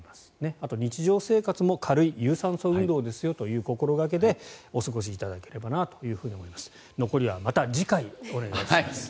あと日常生活も軽い有酸素運動ですよという心掛けでお過ごしいただければなと思います。